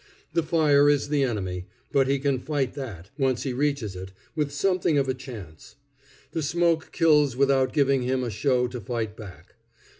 The fire is the enemy; but he can fight that, once he reaches it, with something of a chance. The smoke kills without giving him a show to fight back.